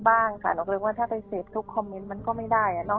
อันเดียวหรอไม่มีอะไร